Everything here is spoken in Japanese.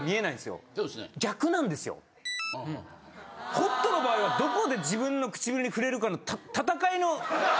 ホットの場合はどこで自分の唇に触れるかの戦いの。